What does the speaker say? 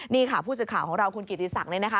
นี่ค่ะผู้สื่อข่าวของเราคุณกิติศักดิ์เนี่ยนะคะ